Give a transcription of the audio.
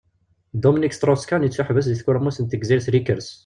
Dominique Strauss-Kahn yettuḥebbes di tkurmut n tegzirt Rikers.